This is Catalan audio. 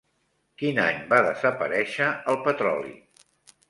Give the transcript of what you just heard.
Quin any va desaparèixer el petroli?